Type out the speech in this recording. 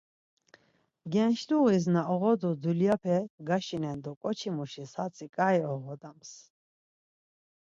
Gençluğiz na oǧodu dulyape gaşinen do ǩoçimuşiz hatzi xai oğodams.